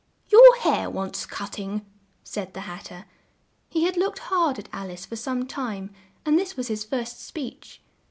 "Your hair wants cut ting," said the Hat ter. He had looked hard at Al ice for some time, and this was his first speech.